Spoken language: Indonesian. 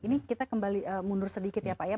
ini kita kembali mundur sedikit ya pak ya